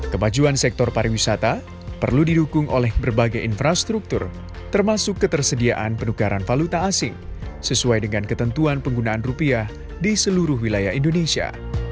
kemajuan sektor pariwisata perlu didukung oleh berbagai infrastruktur termasuk ketersediaan penukaran valuta asing sesuai dengan ketentuan penggunaan rupiah di seluruh wilayah indonesia